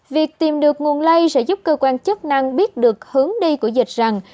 việc tìm được nguồn lây sẽ giúp cơ quan chức năng biết được hướng đi của dịch rằng